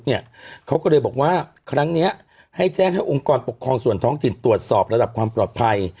เนี่ยเขาก็เลยบอกว่าครั้งเนี้ยให้แจ้งให้องค์กรปกครองส่วนท้องถิ่นตรวจสอบระดับความปลอดภัย